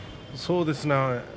そうですね。